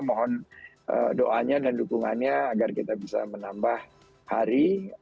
mohon doanya dan dukungannya agar kita bisa menambah hari